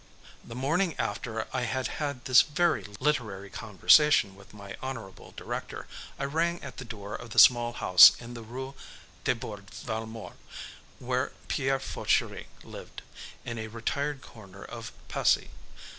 The morning after I had had this very literary conversation with my honorable director, I rang at the door of the small house in the Rue Desbordes Valmore where Pierre Fauchery lived, in a retired corner of Passy.